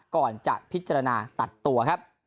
ก่อนจะพิจารณาตัดตัวครับ